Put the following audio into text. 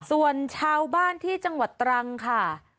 ส่วนชาวบ้านที่จังหวัดตรังค่ะ